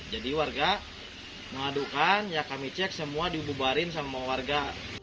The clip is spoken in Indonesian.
warga mengadukan ya kami cek semua dibubarin sama warga